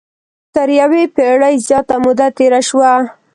تر یوې پېړۍ زیاته موده تېره شوه.